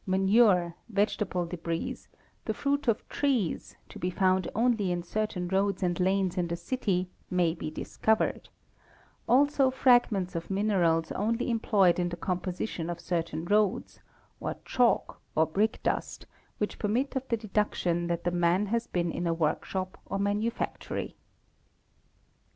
manure, vegetable debris, the fruit of — trees, to be found only in certain roads and lanes in the city, may, be discovered ; also fragments of minerals only employed in the composition of certain roads, or chalk, or brick dust, which permit of the deduction that the man has been in a workshop or manufactory.